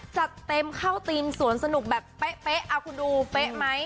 จัดเต็มเข้าทีมสวนสนุกแบบเป๊ะเอาคุณดูเป๊ะไหม